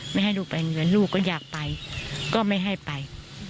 ไม่ให้ลูกไปโรงเรียนลูกก็อยากไปก็ไม่ให้ไป